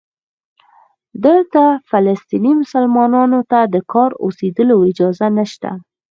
دلته فلسطینی مسلمانانو ته د کار او اوسېدلو اجازه نشته.